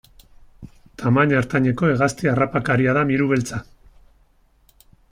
Tamaina ertaineko hegazti harraparia da miru beltza.